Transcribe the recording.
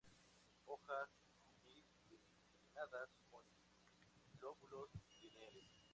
Hojas bi-tripinnadas con lóbulos lineales.